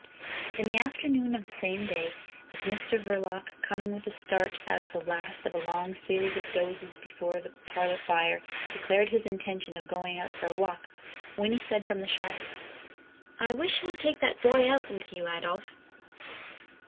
In the afternoon of the same day, as Mr Verloc, coming with a start out of the last of a long series of dozes before the parlour fire, declared his intention of going out for a walk, Winnie said from the shop: "I wish you would take that boy out with you, Adolf."